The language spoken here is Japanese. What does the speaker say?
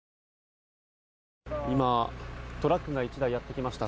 今、トラックが１台やってきました。